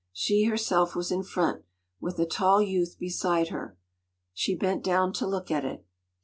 She herself was in front, with a tall youth beside her. She bent down to look at it.